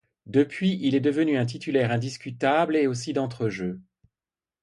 Depuis il est devenu un titulaire indiscutable et aussi d'entre-jeu.